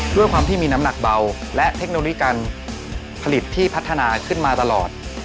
ด้วยความที่มีน้ำหนักเบาและเทคโนโลยีการผลิตที่พัฒนาขึ้นมาตลอด